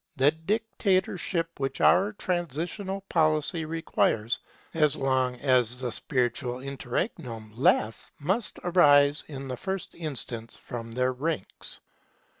The dictatorship which our transitional policy requires as long as the spiritual interregnum lasts must arise in the first instance from their ranks.